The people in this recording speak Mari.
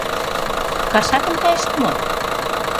— Кашакын кайышт мо?